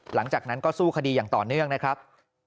หลังจากนั้นก็สู้คดีอย่างต่อเนื่องนะครับ